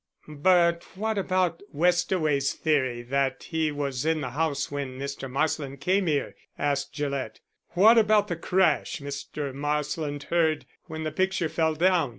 "But what about Westaway's theory that he was in the house when Mr. Marsland came here?" asked Gillett. "What about the crash Mr. Marsland heard when the picture fell down?